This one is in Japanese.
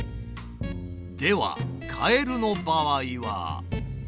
ではカエルの場合は。